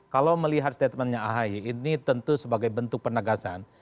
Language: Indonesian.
kalau melihat statementnya ahi ini tentu sebagai bentuk penegasan